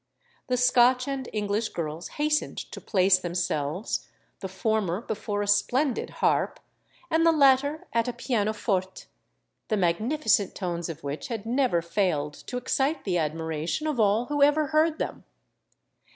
The Scotch and English girls hastened to place themselves, the former before a splendid harp, and the latter at a pianoforte, the magnificent tones of which had never failed to excite the admiration of all who ever heard them.